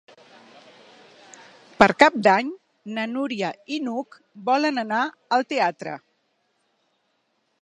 Per Cap d'Any na Núria i n'Hug volen anar al teatre.